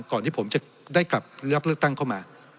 ก่อนที่ผมจะได้กลับรับเลือกตั้งเข้ามา